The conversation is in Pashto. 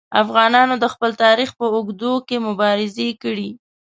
افغانانو د خپل تاریخ په اوږدو کې مبارزې کړي.